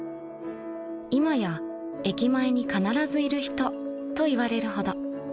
［今や「駅前に必ずいる人」と言われるほど］